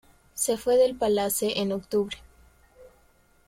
Se fue del Palace en octubre.